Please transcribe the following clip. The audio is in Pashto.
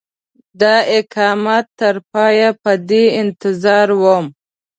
د اقامت تر پایه په دې انتظار وم.